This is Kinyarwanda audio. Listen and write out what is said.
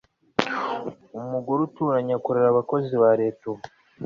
Umugore uturanye akorera abakozi ba Leta ubu